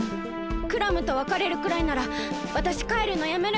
クラムとわかれるくらいならわたしかえるのやめる！